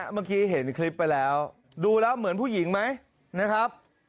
เมื่อกี้เห็นคลิปไปแล้วดูแล้วเหมือนผู้หญิงไหมนะครับ